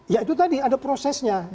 ya itu tadi ada prosesnya